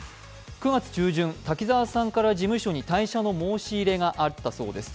９月中旬、滝沢さんから事務所に退社の申し出があったそうです。